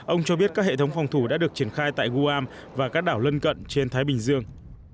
ông cho biết các hệ thống phòng thủ đã được triển khai tại guam và các đảo lân cận trên thái bình dương